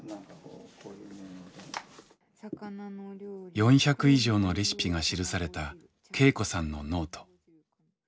４００以上のレシピが記された恵子さんのノート。